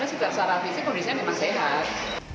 karena secara fisik kondisinya memang sehat